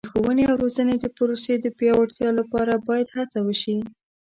د ښوونې او روزنې د پروسې د پیاوړتیا لپاره باید هڅه وشي.